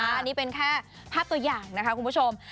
อันนี้เป็นแค่ภาพตัวอย่างนะคะคุณผู้ชม